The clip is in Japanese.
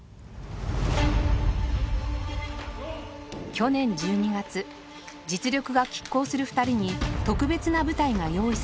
去年１２月実力が拮抗する２人に特別な舞台が用意されました。